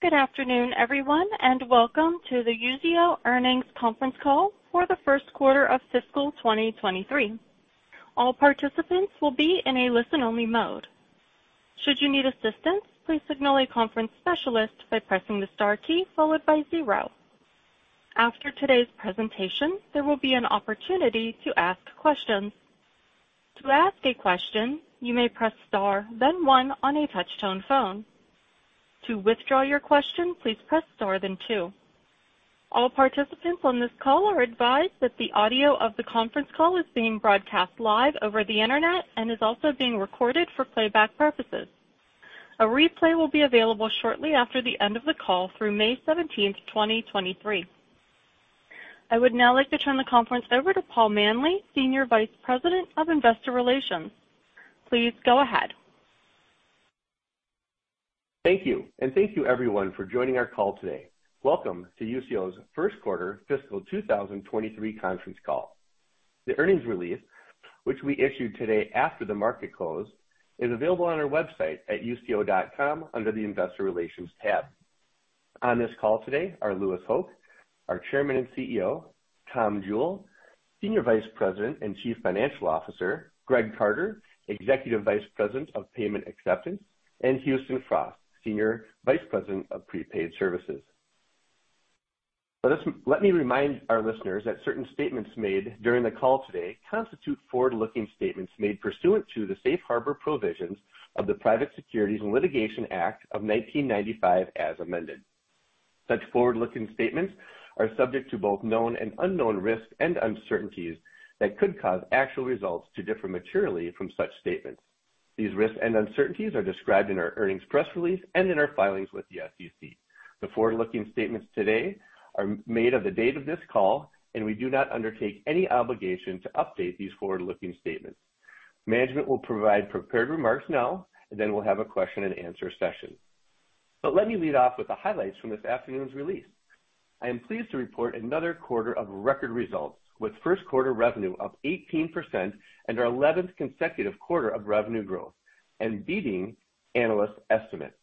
Good afternoon, everyone, welcome to the Usio Earnings Conference Call for the Q1 of fiscal 2023. All participants will be in a listen-only mode. Should you need assistance, please signal a conference specialist by pressing the Star key followed by 0. After today's presentation, there will be an opportunity to ask questions. To ask a question, you may press Star, then 1 on a touch-tone phone. To withdraw your question, please press Star, then 2. All participants on this call are advised that the audio of the conference call is being broadcast live over the Internet and is also being recorded for playback purposes. A replay will be available shortly after the end of the call through May 17th, 2023. I would now like to turn the conference over to Paul Manley, Senior Vice President of Investor Relations. Please go ahead. Thank you. Thank you everyone for joining our call today. Welcome to Usio's Q1 fiscal 2023 conference call. The earnings release, which we issued today after the market close, is available on our website at usio.com under the Investor Relations tab. On this call today are Louis Hoch, our Chairman and CEO, Tom Jewell, Senior Vice President and Chief Financial Officer, Greg Carter, Executive Vice President of Payment Acceptance, and Houston Frost, Senior Vice President of Prepaid Services. Let me remind our listeners that certain statements made during the call today constitute forward-looking statements made pursuant to the Safe Harbor provisions of the Private Securities Litigation Reform Act of 1995 as amended. Such forward-looking statements are subject to both known and unknown risks and uncertainties that could cause actual results to differ materially from such statements. These risks and uncertainties are described in our earnings press release and in our filings with the SEC. The forward-looking statements today are made of the date of this call, and we do not undertake any obligation to update these forward-looking statements. Let me lead off with the highlights from this afternoon's release. I am pleased to report another quarter of record results, with Q1 revenue up 18% and our 11th consecutive quarter of revenue growth, and beating analyst estimates.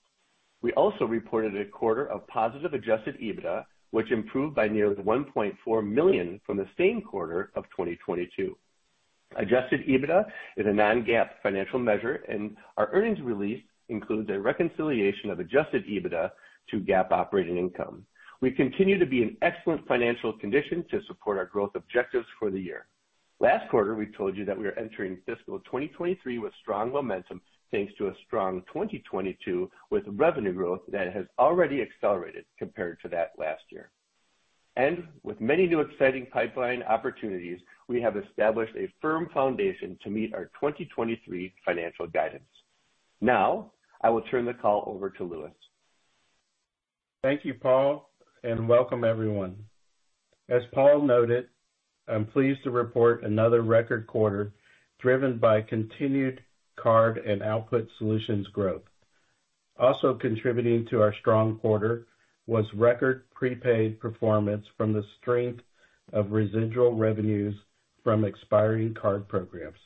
We also reported a quarter of positive Adjusted EBITDA, which improved by nearly $1.4 million from the same quarter of 2022. Adjusted EBITDA is a non-GAAP financial measure, and our earnings release includes a reconciliation of Adjusted EBITDA to GAAP operating income. We continue to be in excellent financial condition to support our growth objectives for the year. Last quarter, we told you that we are entering fiscal 2023 with strong momentum, thanks to a strong 2022 with revenue growth that has already accelerated compared to that last year. With many new exciting pipeline opportunities, we have established a firm foundation to meet our 2023 financial guidance. Now, I will turn the call over to Louis. Thank you, Paul. Welcome everyone. As Paul noted, I'm pleased to report another record quarter driven by continued card and Output Solutions growth. Also contributing to our strong quarter was record prepaid performance from the strength of residual revenues from expiring card programs.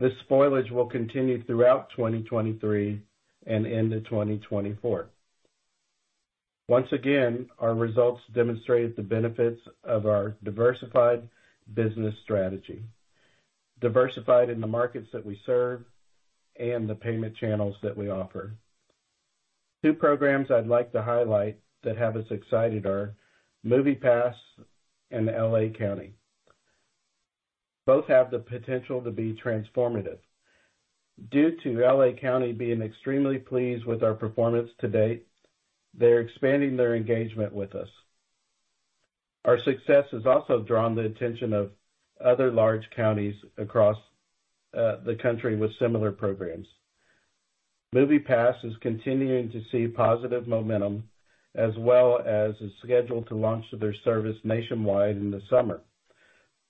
This spoilage will continue throughout 2023 and into 2024. Once again, our results demonstrated the benefits of our diversified business strategy, diversified in the markets that we serve and the payment channels that we offer. 2 programs I'd like to highlight that have us excited are MoviePass and L.A. County. Both have the potential to be transformative. Due to L.A. County being extremely pleased with our performance to date, they're expanding their engagement with us. Our success has also drawn the attention of other large counties across the country with similar programs. MoviePass is continuing to see positive momentum as well as is scheduled to launch their service nationwide in the summer.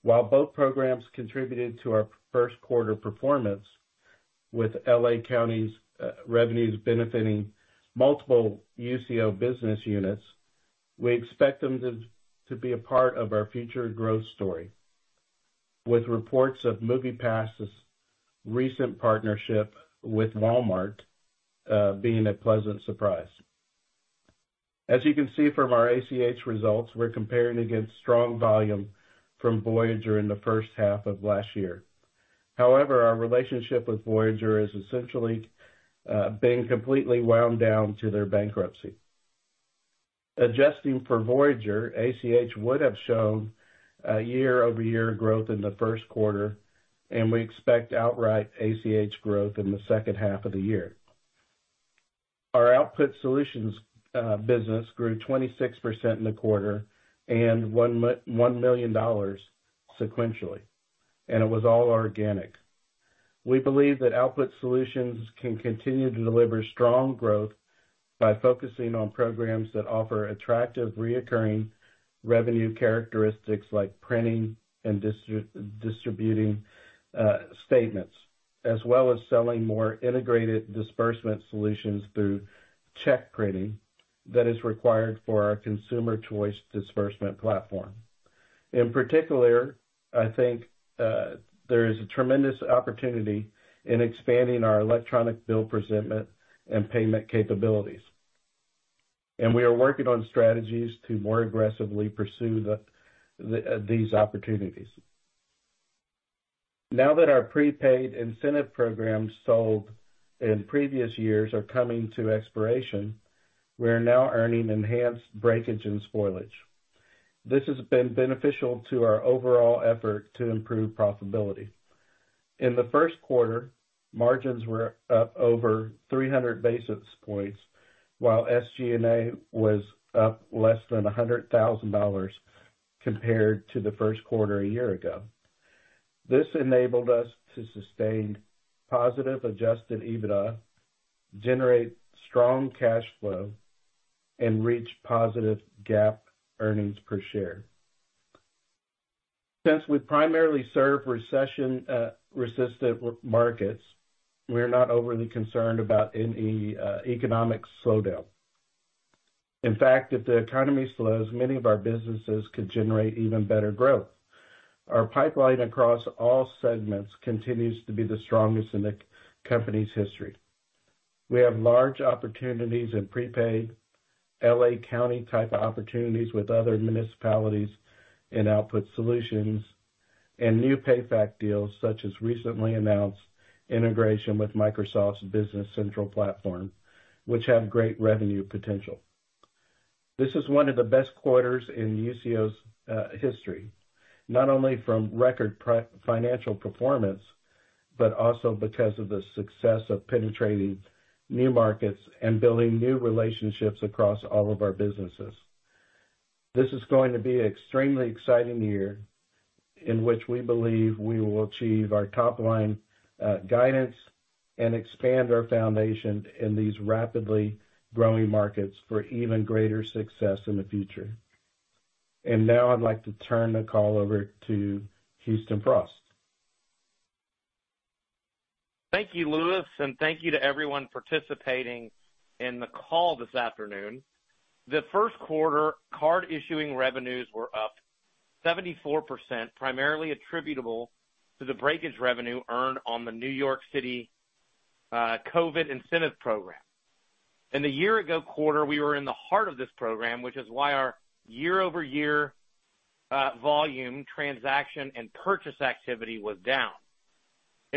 While both programs contributed to our Q1 performance with L.A. County's revenues benefiting multiple Usio business units, we expect them to be a part of our future growth story, with reports of MoviePass's recent partnership with Walmart being a pleasant surprise. As you can see from our ACH results, we're comparing against strong volume from Voyager in the H1 of last year. However, our relationship with Voyager is essentially being completely wound down to their bankruptcy. Adjusting for Voyager, ACH would have shown a year-over-year growth in the Q1, and we expect outright ACH growth in the H2 of the year. Our Output Solutions business grew 26% in the quarter and $1 million sequentially, and it was all organic. We believe that Output Solutions can continue to deliver strong growth by focusing on programs that offer attractive reoccurring revenue characteristics like printing and distributing statements, as well as selling more integrated disbursement solutions through check printing that is required for our consumer choice disbursement platform. In particular, I think there is a tremendous opportunity in expanding our electronic bill presentment and payment capabilities. We are working on strategies to more aggressively pursue these opportunities. Now that our prepaid incentive programs sold in previous years are coming to expiration, we are now earning enhanced breakage and spoilage. This has been beneficial to our overall effort to improve profitability. In the Q1, margins were up over 300 basis points, while SG&A was up less than $100,000 compared to the Q1 a year ago. This enabled us to sustain positive Adjusted EBITDA, generate strong cash flow, and reach positive GAAP earnings per share. We primarily serve recession resistant markets, we're not overly concerned about any economic slowdown. If the economy slows, many of our businesses could generate even better growth. Our pipeline across all segments continues to be the strongest in the company's history. We have large opportunities in prepaid L.A. County-type opportunities with other municipalities in Output Solutions and new PayFac deals such as recently announced integration with Microsoft's Business Central platform, which have great revenue potential. This is one of the best quarters in Usio's history, not only from record financial performance, but also because of the success of penetrating new markets and building new relationships across all of our businesses. This is going to be extremely exciting year in which we believe we will achieve our top line guidance and expand our foundation in these rapidly growing markets for even greater success in the future. Now I'd like to turn the call over to Houston Frost. Thank you, Louis, thank you to everyone participating in the call this afternoon. The Q1 card issuing revenues were up 74%, primarily attributable to the breakage revenue earned on the New York City COVID incentive program. In the year-ago quarter, we were in the heart of this program, which is why our year-over-year volume, transaction, and purchase activity was down.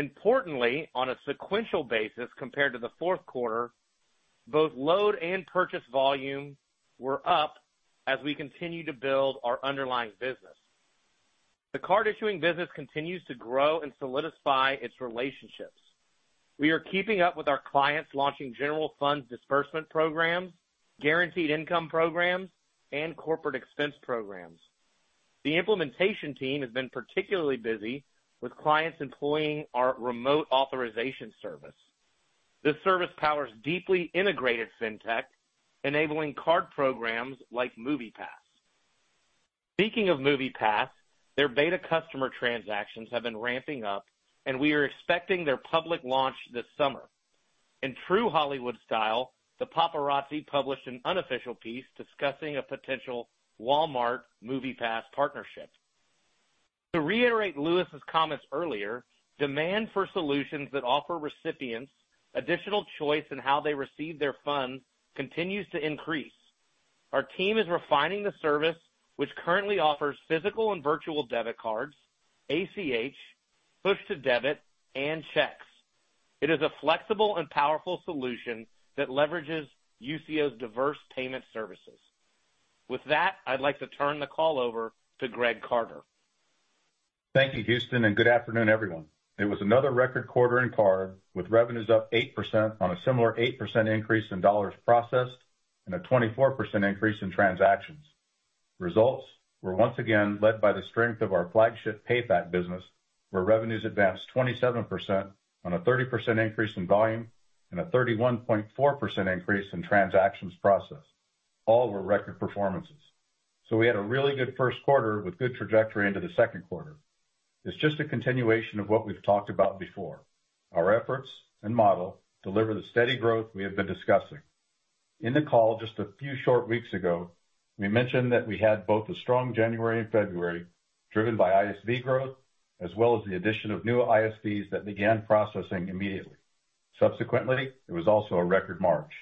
Importantly, on a sequential basis, compared to the Q4, both load and purchase volume were up as we continue to build our underlying business. The card issuing business continues to grow and solidify its relationships. We are keeping up with our clients, launching general funds disbursement programs, guaranteed income programs, and corporate expense programs. The implementation team has been particularly busy with clients employing our remote authorization service. This service powers deeply integrated fintech, enabling card programs like MoviePass. Speaking of MoviePass, their beta customer transactions have been ramping up, and we are expecting their public launch this summer. In true Hollywood style, the paparazzi published an unofficial piece discussing a potential Walmart MoviePass partnership. To reiterate Louis's comments earlier, demand for solutions that offer recipients additional choice in how they receive their funds continues to increase. Our team is refining the service, which currently offers physical and virtual debit cards, ACH, push to debit, and checks. It is a flexible and powerful solution that leverages Usio's diverse payment services. With that, I'd like to turn the call over to Greg Carter. Thank you, Houston, and good afternoon, everyone. It was another record quarter in card, with revenues up 8% on a similar 8% increase in dollars processed and a 24% increase in transactions. Results were once again led by the strength of our flagship PayFac business, where revenues advanced 27% on a 30% increase in volume and a 31.4% increase in transactions processed. All were record performances. We had a really good Q1 with good trajectory into the Q2. It's just a continuation of what we've talked about before. Our efforts and model deliver the steady growth we have been discussing. In the call just a few short weeks ago, we mentioned that we had both a strong January and February, driven by ISV growth, as well as the addition of new ISVs that began processing immediately. Subsequently, it was also a record March.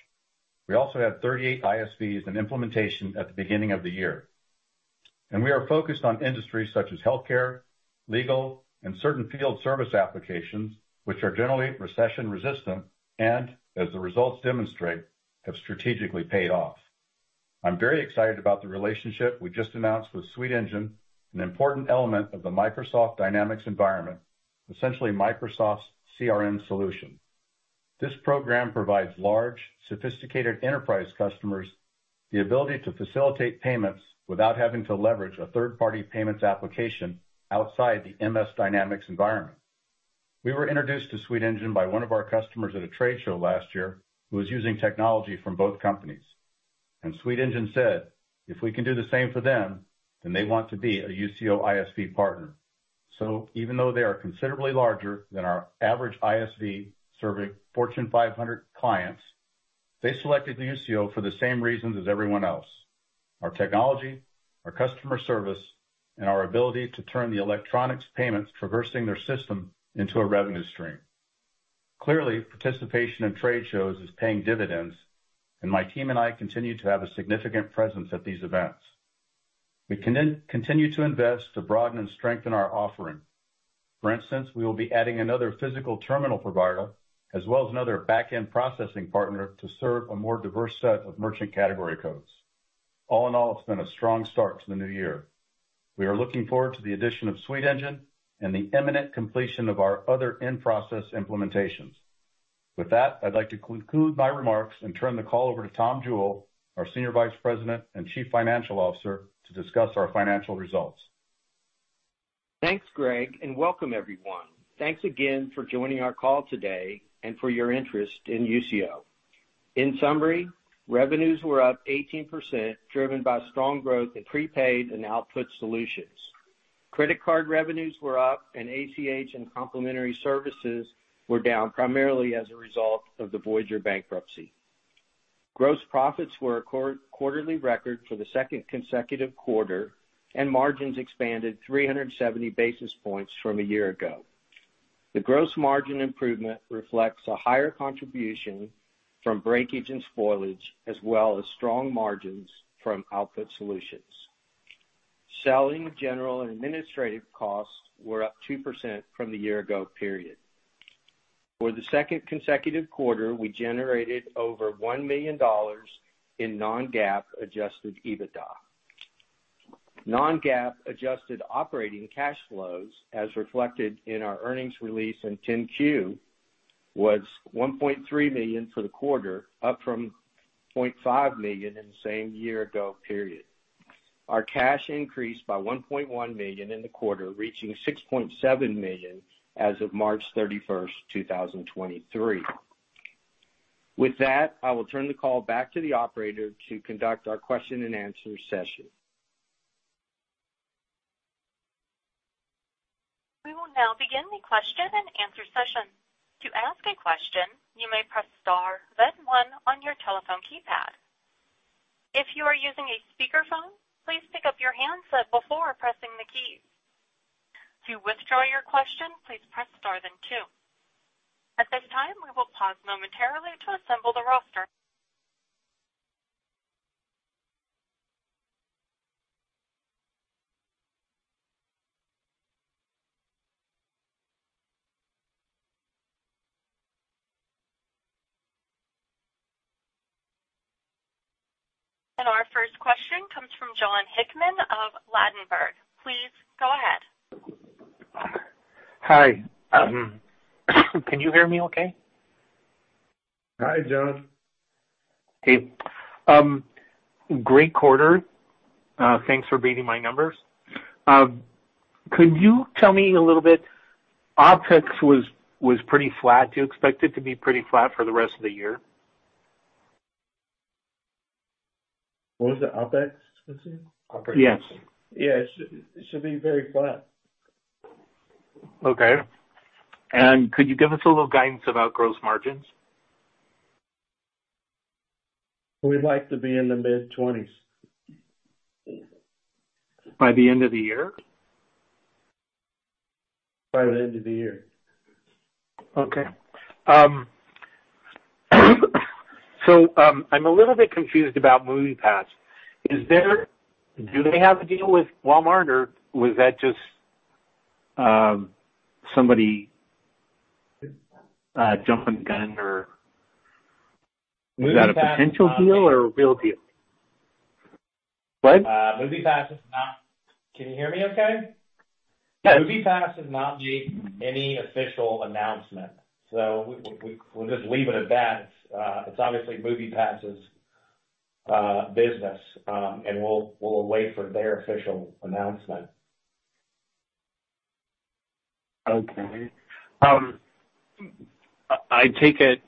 We also had 38 ISVs in implementation at the beginning of the year. We are focused on industries such as healthcare, legal, and certain field service applications which are generally recession-resistant and, as the results demonstrate, have strategically paid off. I'm very excited about the relationship we just announced with Suite Engine, an important element of the Microsoft Dynamics environment, essentially Microsoft's CRM solution. This program provides large, sophisticated enterprise customers the ability to facilitate payments without having to leverage a third-party payments application outside the MS Dynamics environment. We were introduced to Suite Engine by one of our customers at a trade show last year who was using technology from both companies. Suite Engine said, if we can do the same for them, then they want to be a Usio ISV partner. Even though they are considerably larger than our average ISV, serving Fortune 500 clients. They selected Usio for the same reasons as everyone else. Our technology, our customer service, and our ability to turn the electronics payments traversing their system into a revenue stream. Clearly, participation in trade shows is paying dividends, and my team and I continue to have a significant presence at these events. We continue to invest to broaden and strengthen our offering. For instance, we will be adding another physical terminal provider as well as another back-end processing partner to serve a more diverse set of merchant category codes. All in all, it's been a strong start to the new year. We are looking forward to the addition of Suite Engine and the imminent completion of our other in-process implementations. With that, I'd like to conclude my remarks and turn the call over to Tom Jewell, our Senior Vice President and Chief Financial Officer, to discuss our financial results. Thanks, Greg, welcome everyone. Thanks again for joining our call today and for your interest in Usio. In summary, revenues were up 18%, driven by strong growth in prepaid and Output Solutions. Credit card revenues were up and ACH and complimentary services were down, primarily as a result of the Voyager bankruptcy. Gross profits were a quarterly record for the second consecutive quarter, and margins expanded 370 basis points from a year ago. The gross margin improvement reflects a higher contribution from breakage and spoilage, as well as strong margins from Output Solutions. Selling, general and administrative costs were up 2% from the year-ago period. For the second consecutive quarter, we generated over $1 million in non-GAAP Adjusted EBITDA. Non-GAAP adjusted operating cash flows, as reflected in our earnings release in 10-Q, was $1.3 million for the quarter, up from $0.5 million in the same year-ago period. Our cash increased by $1.1 million in the quarter, reaching $6.7 million as of March 31, 2023. With that, I will turn the call back to the operator to conduct our question-and-answer session. We will now begin the question-and-answer session. To ask a question, you may press star then 1 on your telephone keypad. If you are using a speakerphone, please pick up your handset before pressing the key. To withdraw your question, please press star then 2. At this time, we will pause momentarily to assemble the roster. Our first question comes from Jon Hickman of Ladenburg. Please go ahead. Hi. Can you hear me okay? Hi, Jon. Hey. Great quarter. Thanks for beating my numbers. Could you tell me a little bit, OpEx was pretty flat? Do you expect it to be pretty flat for the rest of the year? What was that? OpEx, you said? Yes. Yeah, it should be very flat. Okay. Could you give us a little guidance about gross margins? We'd like to be in the mid-twenties. By the end of the year? By the end of the year. Okay. I'm a little bit confused about MoviePass. Do they have a deal with Walmart, or was that just somebody jumping the gun, or is that a potential deal or a real deal? What? Can you hear me okay? Yes. MoviePass has not made any official announcement. We'll just leave it at that. It's obviously MoviePass's business. We'll wait for their official announcement. I take it,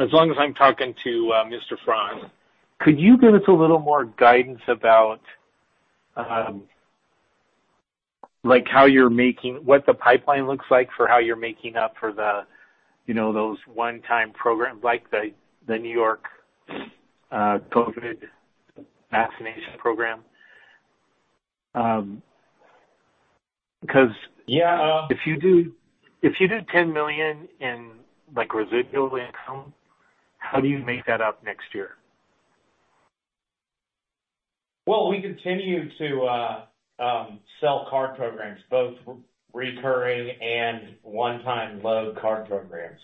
as long as I'm talking to Mr. Frost, could you give us a little more guidance about like what the pipeline looks like for how you're making up for the, you know, those one-time programs like the New York COVID vaccination program? Yeah. If you do, if you do $10 million in like residual income, how do you make that up next year? We continue to sell card programs, both recurring and one-time load card programs.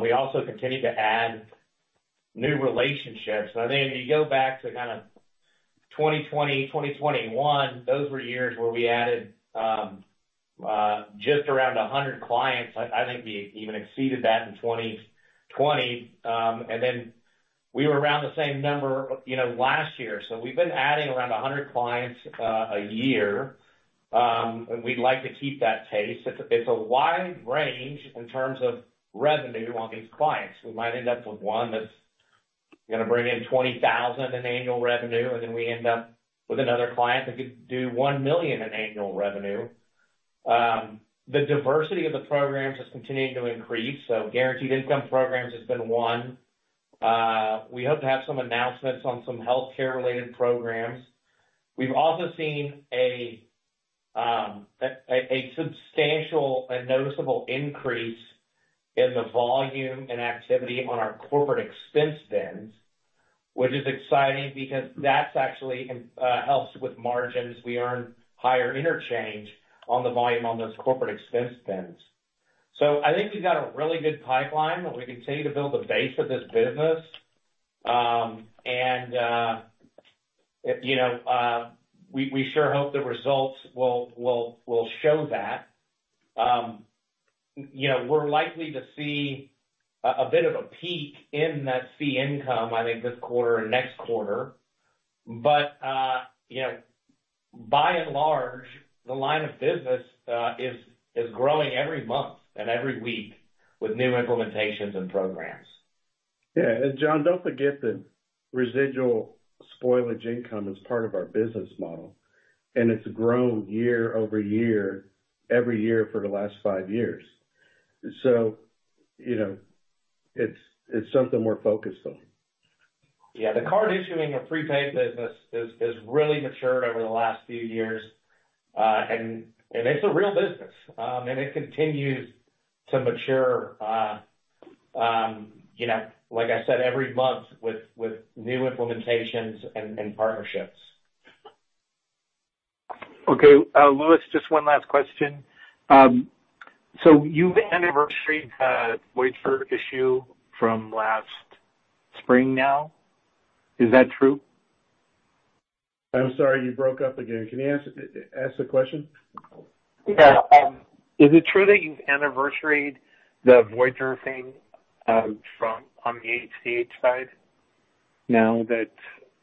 We also continue to add new relationships. I think if you go back to kinda 2020, 2021, those were years where we added just around 100 clients. I think we even exceeded that in 2020. We were around the same number, you know, last year. We've been adding around 100 clients a year. We'd like to keep that pace. It's a wide range in terms of revenue on these clients. We might end up with one. We're gonna bring in $20,000 in annual revenue, we end up with another client that could do $1 million in annual revenue. The diversity of the programs is continuing to increase, guaranteed income programs has been one. We hope to have some announcements on some healthcare-related programs. We've also seen a substantial and noticeable increase in the volume and activity on our corporate expense spends, which is exciting because that's actually helps with margins. We earn higher interchange on the volume on those corporate expense spends. I think we've got a really good pipeline, and we continue to build the base of this business. And if, you know, we sure hope the results will show that. You know, we're likely to see a bit of a peak in that fee income, I think this quarter and next quarter. You know, by and large, the line of business is growing every month and every week with new implementations and programs. Yeah. Jon, don't forget the residual spoilage income is part of our business model, and it's grown year-over-year every year for the last 5 years. You know, it's something we're focused on. Yeah. The card issuing or prepaid business has really matured over the last few years. It's a real business. It continues to mature, you know, like I said, every month with new implementations and partnerships. Okay. Louis, just one last question. You've anniversaried the Voyager issue from last spring now. Is that true? I'm sorry. You broke up again. Can you ask the question? Yeah. Is it true that you've anniversaried the Voyager thing, from... on the ACH side now that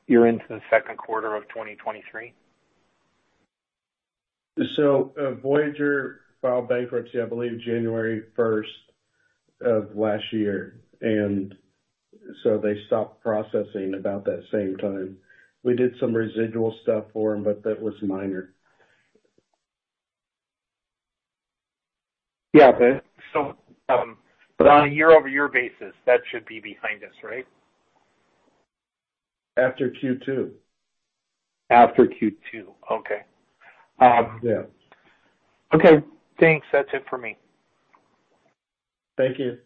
you're into the Q2 of 2023? Voyager filed bankruptcy, I believe January 1st of last year, and so they stopped processing about that same time. We did some residual stuff for them, but that was minor. Yeah. Okay. On a year-over-year basis, that should be behind us, right? After Q2. After Q2. Okay. Yeah. Okay. Thanks. That's it for me. Thank you.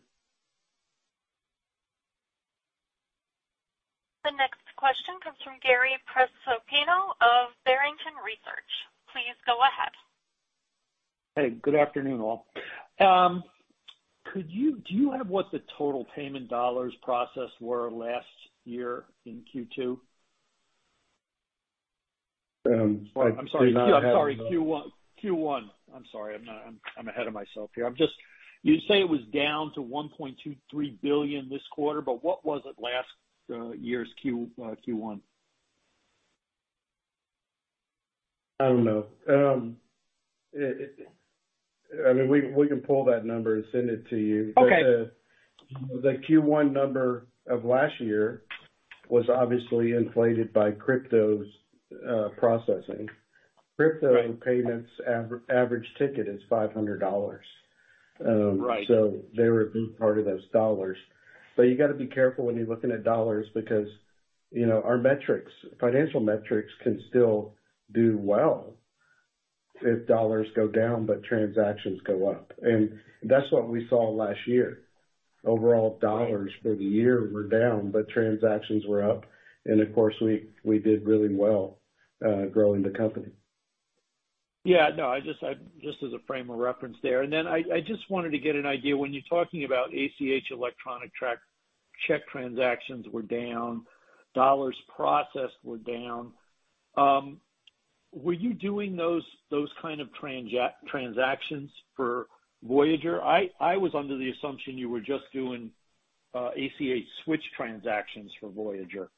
The next question comes from Gary Prestopino of Barrington Research. Please go ahead. Hey, good afternoon, all. Do you have what the total payment dollars processed were last year in Q2? Um, I do not have- I'm sorry. I'm sorry, Q1. I'm sorry. I'm ahead of myself here. I'm just. You say it was down to $1.23 billion this quarter. What was it last year's Q1? I don't know. I mean, we can pull that number and send it to you. Okay. The Q1 number of last year was obviously inflated by cryptos, processing. Crypto and payments average ticket is $500. Right. They were a big part of those dollars. You gotta be careful when you're looking at dollars because, you know, our metrics, financial metrics can still do well if dollars go down but transactions go up. That's what we saw last year. Overall dollars for the year were down, but transactions were up. Of course, we did really well growing the company. Yeah. No, I just, as a frame of reference there. Then I just wanted to get an idea, when you're talking about ACH electronic check transactions were down, dollars processed were down, were you doing those kind of transactions for Voyager? I was under the assumption you were just doing ACH switch transactions for Voyager.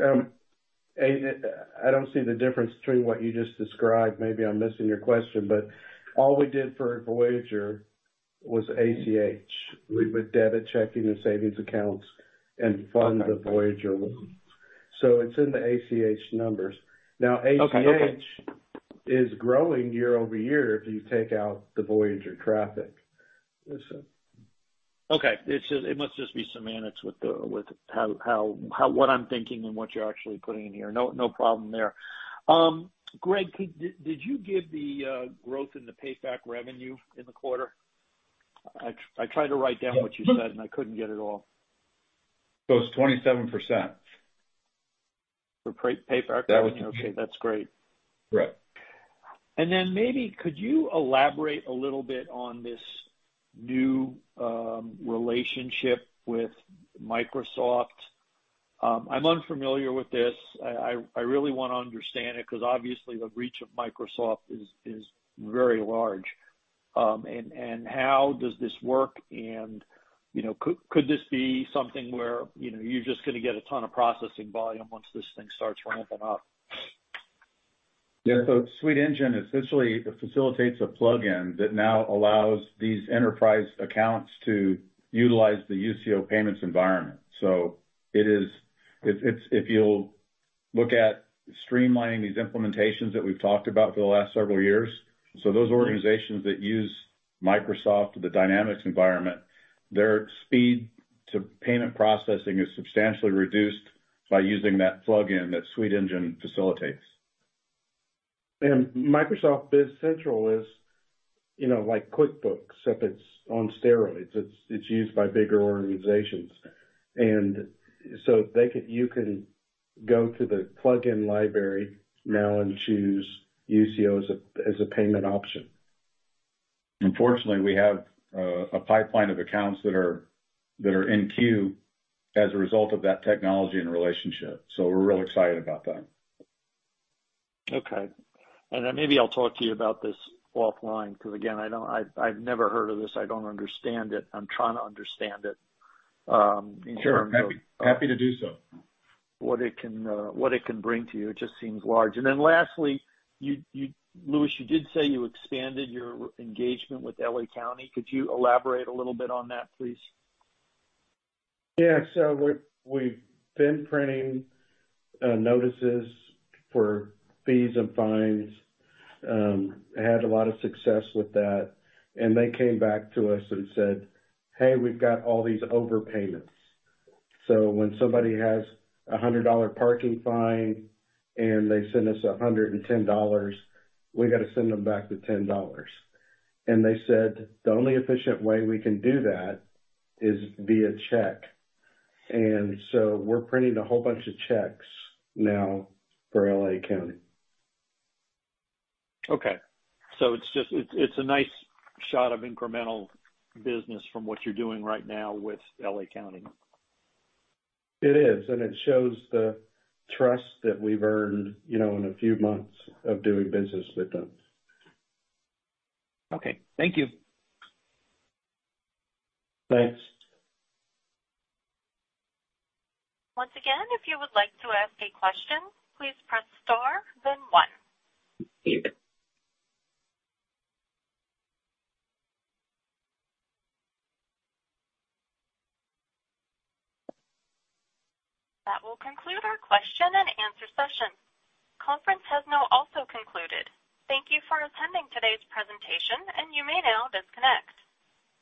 I don't see the difference between what you just described. Maybe I'm missing your question. All we did for Voyager was ACH with debit, checking, and savings accounts and fund the Voyager. It's in the ACH numbers. Okay. Okay. ACH is growing year-over-year if you take out the Voyager traffic. Okay. It must just be semantics with how what I'm thinking and what you're actually putting in here. No, no problem there. Greg, did you give the growth in the PayFac revenue in the quarter? I tried to write down what you said, and I couldn't get it all. It's 27%. For PayFac revenue? Payfac. Okay, that's great. Right. Then maybe could you elaborate a little bit on this new relationship with Microsoft? I'm unfamiliar with this. I really wanna understand it because obviously the reach of Microsoft is very large. How does this work? You know, could this be something where, you know, you're just gonna get a ton of processing volume once this thing starts ramping up? Suite Engine essentially facilitates a plug-in that now allows these enterprise accounts to utilize the Usio payments environment. It's If you'll look at streamlining these implementations that we've talked about for the last several years. Those organizations that use Microsoft or the Dynamics environment, their speed to payment processing is substantially reduced by using that plug-in that Suite Engine facilitates. Microsoft Business Central is, you know, like QuickBooks, except it's on steroids. It's used by bigger organizations. You can go to the plug-in library now and choose Usio as a, as a payment option. Unfortunately, we have a pipeline of accounts that are in queue as a result of that technology and relationship. We're real excited about that. Okay. Then maybe I'll talk to you about this offline because, again, I've never heard of this. I don't understand it. I'm trying to understand it, in terms of- Sure. Happy to do so. What it can, what it can bring to you. It just seems large. Lastly, Louis, you did say you expanded your engagement with L.A. County. Could you elaborate a little bit on that, please? Yeah. We've been printing notices for fees and fines. Had a lot of success with that. They came back to us and said, "Hey, we've got all these overpayments." When somebody has a $100 parking fine and they send us $110, we gotta send them back the $10. They said, "The only efficient way we can do that is via check." We're printing a whole bunch of checks now for L.A. County. Okay. It's a nice shot of incremental business from what you're doing right now with L.A. County. It is. It shows the trust that we've earned, you know, in a few months of doing business with them. Okay. Thank you. Thanks. Once again, if you would like to ask a question, please press star then one. That will conclude our Q&A session. Conference has now also concluded. Thank you for attending today's presentation, and you may now disconnect.